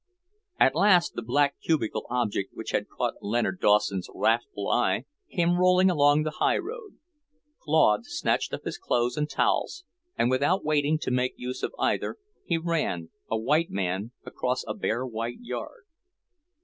At last the black cubical object which had caught Leonard Dawson's wrathful eye, came rolling along the highroad. Claude snatched up his clothes and towels, and without waiting to make use of either, he ran, a white man across a bare white yard.